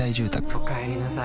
おかえりなさい。